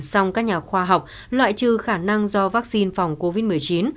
song các nhà khoa học loại trừ khả năng do vaccine phòng covid một mươi chín